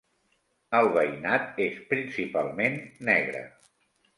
El veïnat és principalment negre.